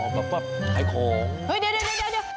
หายของเฮ้ยเดี๋ยว